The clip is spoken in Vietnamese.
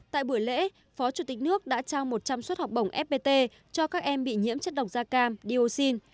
tại buổi lễ phó chủ tịch nước đã trao một trăm linh suất học bổng fpt cho các em bị nhiễm chất độc da cam dioxin